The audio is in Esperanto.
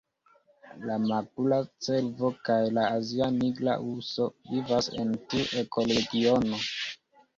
La makula cervo kaj la azia nigra urso vivas en tiu ekoregiono.